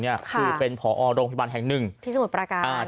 คือเป็นพรโรงพิบันแห่งหนึ่งที่สมุดประการ